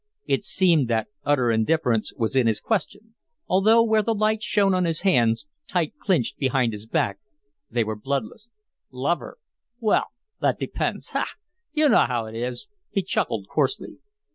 It seemed that utter indifference was in his question, although where the light shone on his hands, tight clinched behind his back, they were bloodless. "Love her? Well that depends ha! You know how it is " he chuckled, coarsely.